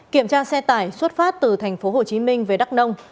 kiểm tra xe tải xuất phát từ tp hcm về đắk nông